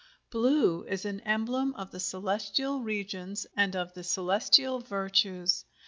BLUE is an emblem of the celestial regions and of the celestial virtues.